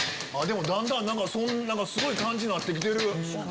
だんだんすごい感じになって来てる。